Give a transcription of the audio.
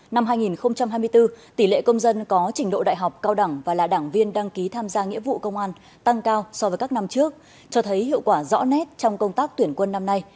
năm hai nghìn hai mươi bốn tỷ lệ công dân có trình độ đại học cao đẳng và là đảng viên đăng ký tham gia nghĩa vụ công an tăng cao so với các năm trước cho thấy hiệu quả rõ nét trong công tác tuyển quân năm nay